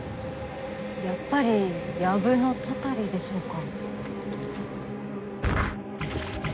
やっぱりやぶのたたりでしょうか？